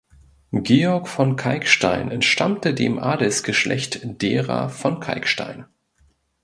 Georg von Kalckstein entstammte dem Adelsgeschlecht derer von Kalckstein.